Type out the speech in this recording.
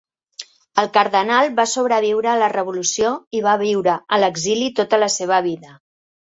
El cardenal va sobreviure a la revolució i va viure a l'exili tota la seva vida.